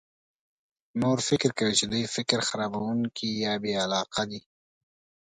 نور فکر کوي چې دوی فکر خرابونکي یا بې علاقه دي.